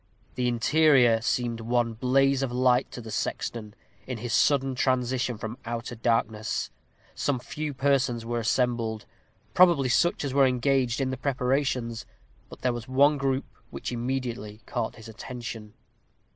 The interior seemed one blaze of light to the sexton, in his sudden transition from outer darkness. Some few persons were assembled, probably such as were engaged in the preparations; but there was one group which immediately caught his attention.